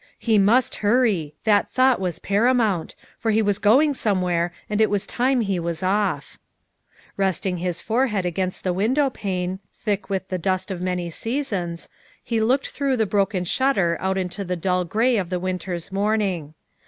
He must hurry, that thought was para mount, for he was going somewhere and it was time he was off. THE SECRETARY OF STATE 291 Resting his forehead against the window pane, thick with the dust of many seasons, he looked through the broken shutter out into the dull gray of the winter's morning.